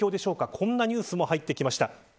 こんなニュースも入ってきました。